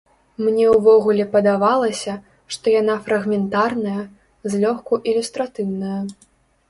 Мне ўвогуле падавалася, што яна фрагментарная, злёгку ілюстратыўная.